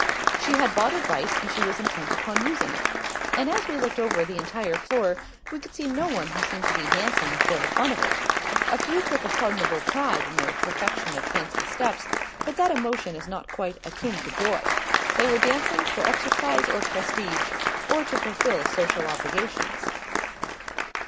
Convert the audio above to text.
She had bought advice and she was intent upon using it. And as we looked over the entire floor we could see no one who seemed to be dancing for the fun of it. A few took a pardonable pride in their perfection of fancy steps, but that emotion is not quite akin to joy. They were dancing for exercise or prestige, or to fulfill social obligations.